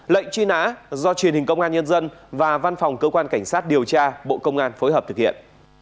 lệnh truy nã do truyền hình công an nhân dân và văn phòng cơ quan cảnh sát điều tra bộ công an phối hợp thực hiện